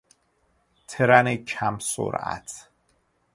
ترن کم سرعت